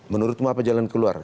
menurutmu apa jalan keluar